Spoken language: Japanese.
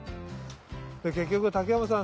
局竹山さん